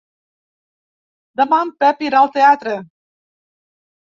Demà en Pep irà al teatre.